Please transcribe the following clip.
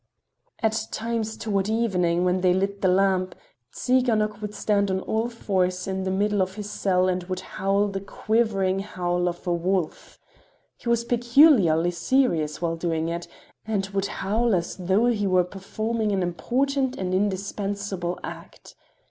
At times toward evening when they lit the lamp, Tsiganok would stand on all fours in the middle of his cell and would howl the quivering howl of a wolf. He was peculiarly serious while doing it, and would howl as though he were performing an important and indispensable act.